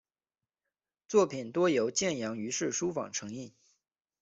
作品多由建阳余氏书坊承印。